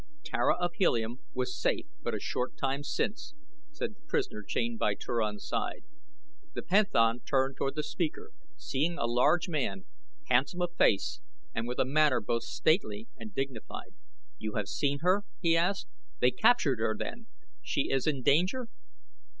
"Tara of Helium was safe, but a short time since," said the prisoner chained at Turan's side. The panthan turned toward the speaker, seeing a large man, handsome of face and with a manner both stately and dignified. "You have seen her?" he asked. "They captured her then? She is in danger?"